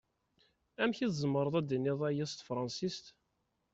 Amek i tzemreḍ ad d-tiniḍ aya s tefṛansist?